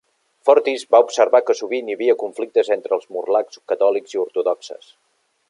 Fortis va observar que sovint hi havia conflictes entre els morlacs catòlics i ortodoxes.